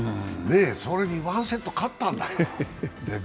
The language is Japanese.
それに１セット勝ったんだから。